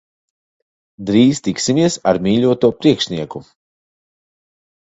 Drīz tiksimies ar mīļoto priekšnieku.